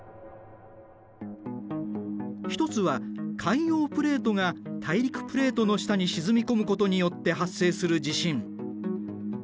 一つは海洋プレートが大陸プレートの下に沈み込むことによって発生する地震。